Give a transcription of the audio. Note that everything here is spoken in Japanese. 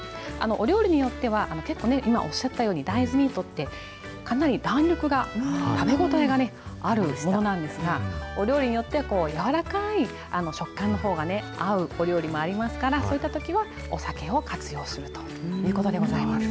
お料理によっては、結構、今おっしゃったように、大豆ミートって、かなり弾力が、食べ応えがあるものなんですが、お料理によっては、柔らかい食感のほうがね、合うお料理もありますから、そういったときは、お酒を活用するということでございます。